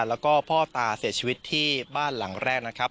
แล้วก็พ่อตาเสียชีวิตที่บ้านหลังแรกนะครับ